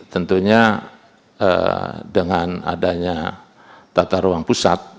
tentunya dengan adanya tata ruang pusat